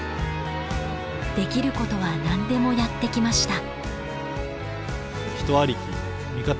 できることは何でもやってきました。